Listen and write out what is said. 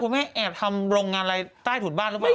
แม่แอบทำโรงงานอะไรใต้ถุนบ้านหรือเปล่า